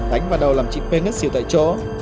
đánh vào đầu làm chị p ngất xỉu tại chỗ